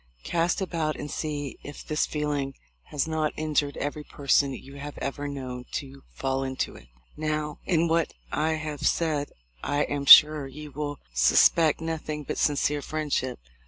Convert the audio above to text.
Cast about and see if this feeling has not injured every person you have ever known to fall into it. "Now, in what I have said I am sure you will sus pect nothing but sincere friendship.